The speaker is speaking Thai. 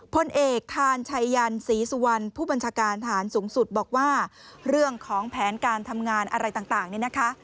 พลเอกทานชัยยันศรีสุวรรณผู้บัญชาการฐานสูงสุดบอกว่าเรื่องของแผนการทำงานอะไรต่างนี่นะคะ